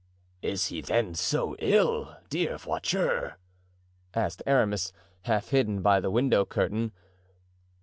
"Is he then so ill, dear Voiture?" asked Aramis, half hidden by the window curtain.